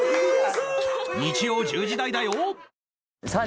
日曜１０時台だよ